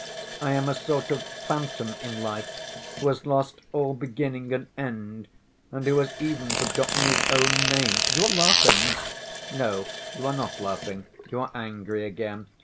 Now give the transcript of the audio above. I am a sort of phantom in life who has lost all beginning and end, and who has even forgotten his own name. You are laughing— no, you are not laughing, you are angry again.